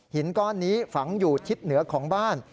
ก้อนนี้ฝังอยู่ทิศเหนือของบ้าน